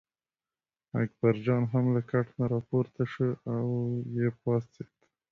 اکبرجان هم له کټ نه راپورته شو او یې پاڅېد.